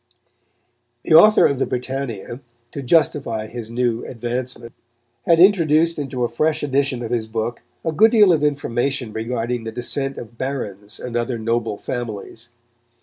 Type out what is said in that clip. The author of the Britannia, to justify his new advancement, had introduced into a fresh edition of his book a good deal of information regarding the descent of barons and other noble families.